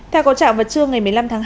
theo cổ trạng vật truyền thông